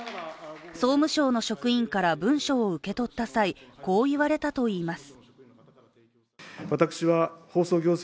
総務省の職員から文書を受け取った際こう言われたといいます。